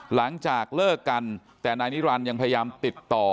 หลังจากเลิกกันแต่นายนิรันดิ์ยังพยายามติดต่อ